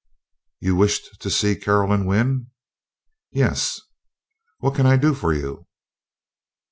"You wished to see Caroline Wynn?" "Yes." "What can I do for you?"